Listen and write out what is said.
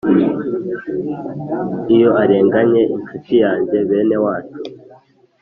iyo arenganye inshuti yanjye, bene wacu,